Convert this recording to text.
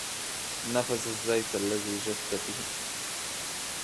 نفد الزيت الذي جدت به